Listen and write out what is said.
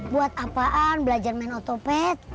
buat apaan belajar main otopet